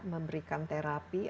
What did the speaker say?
atau memberikan terapi